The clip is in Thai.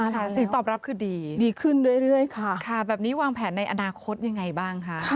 ๓๕ล้านแล้วดีขึ้นเรื่อยค่ะค่ะแบบนี้วางแผนในอนาคตยังไงบ้างคะ